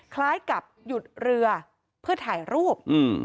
คล้ายกับหยุดเรือเพื่อถ่ายรูป